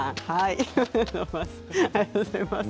ありがとうございます。